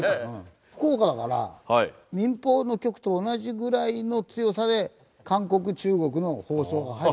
福岡だから民放の局と同じぐらいの強さで韓国中国の放送が入る。